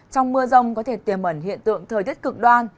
trong mưa rông có thể tiềm mẩn hiện tượng thời tiết cực đoan